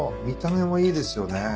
見た目もいいですよね。